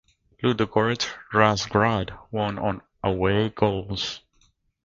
Ludogorets Razgrad won on away goals.